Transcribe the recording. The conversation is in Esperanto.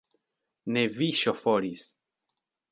Ne vi ŝoforis!